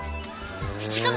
しかも！